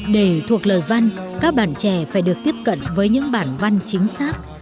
để thuộc lời văn các bạn trẻ phải được tiếp cận với những bản văn chính xác